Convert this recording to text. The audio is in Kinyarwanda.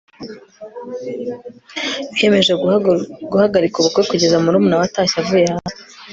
Biyemeje guhagarika ubukwe kugeza murumuna we atashye avuye hanze